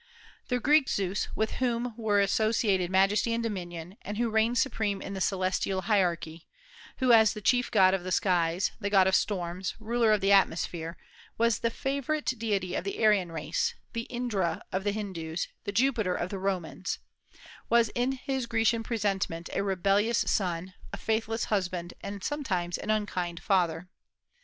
The Greek Zeus, with whom were associated majesty and dominion, and who reigned supreme in the celestial hierarchy, who as the chief god of the skies, the god of storms, ruler of the atmosphere, was the favorite deity of the Aryan race, the Indra of the Hindus, the Jupiter of the Romans, was in his Grecian presentment a rebellious son, a faithless husband, and sometimes an unkind father.